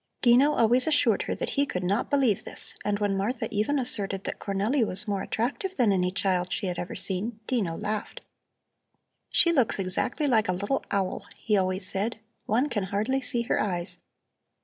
Dino always assured her that he could not believe this and when Martha even asserted that Cornelli was more attractive than any child she had ever seen, Dino laughed. "She looks exactly like a little owl," he always said. "One can hardly see her eyes.